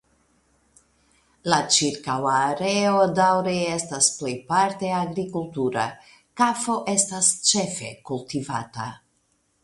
La ĉirkaŭa areo daŭre estas plejparte agrikultura; kafo estas ĉefe kultivata.